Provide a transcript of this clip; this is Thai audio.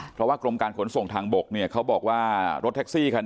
เพราะว่ากรมการขนส่งทางบกเนี่ยเขาบอกว่ารถแท็กซี่คัน